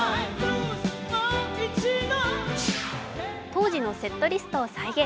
当時のセットリストを再現。